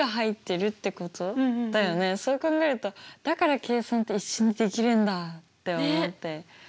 そう考えるとだから計算って一瞬でできるんだって思って。